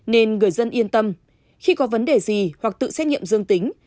nên người dân yên tâm khi có vấn đề gì hoặc tự xét nghiệm dương tính